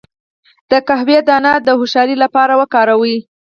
د قهوې دانه د هوښیارۍ لپاره وکاروئ